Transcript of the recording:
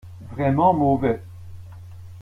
Vraiment mauvais.